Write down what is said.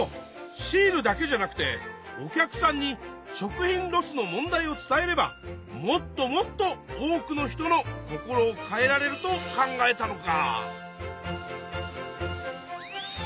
シールだけじゃなくてお客さんに食品ロスの問題を伝えればもっともっと多くの人の心を変えられると考えたのか！